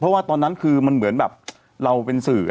เพราะตอนนั้นคือเหมือนแบบเป็นสื่อ